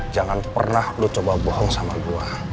jangan pernah lu coba bohong sama gue